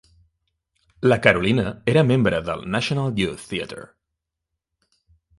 La Carolina era membre del National Youth Theatre.